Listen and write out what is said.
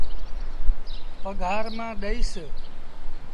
پگھآر مآݩ ڏئيٚس۔